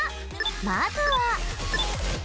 まずは。